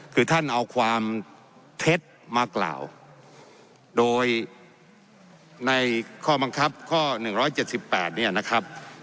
คือท่านเอาความเท็จมากล่าวโดยในข้อบังคับข้อ๑๗๘เนี่ยนะครับ